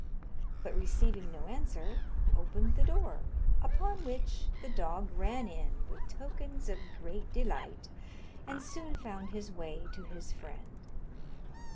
but receiving no answer, opened the door, upon which the dog ran in with tokens of great delight, and soon found his way to his friend.